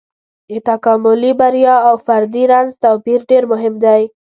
د تکاملي بریا او فردي رنځ توپير ډېر مهم دی.